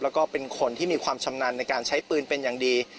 แล้วก็เป็นคนที่มีความชำนาญในการใช้ปืนเป็นอย่างดี